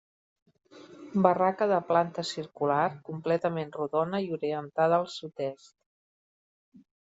Barraca de planta circular, completament rodona i orientada al sud-est.